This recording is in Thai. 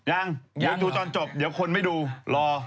ยังยังชูตอนจบเดี๋ยวคนไปดูรอ